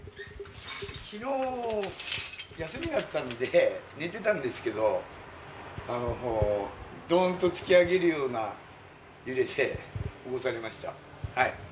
昨日、休みだったので寝てたんですけれども、ドーンと突き上げるような揺れで起こされました。